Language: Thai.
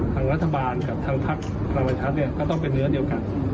ทางรัฐบาลกับทางภักษ์ก็ต้องเป็นเนื้อเดียวกัน